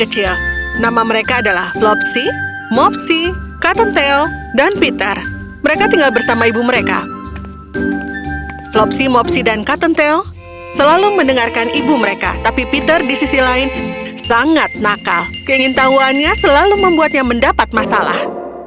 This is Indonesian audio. selalu membuatnya mendapat masalah